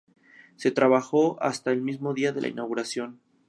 Se trabajó hasta el mismo día de la inauguración.